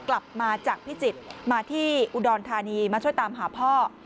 กลับมาจากพิจิตรมาที่อุดรธานีมาช่วยตามหาพ่อ